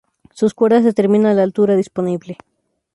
Sus cuerdas determinan la altura disponible.